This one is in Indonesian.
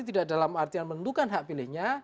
tidak dalam artian menentukan hak pilihnya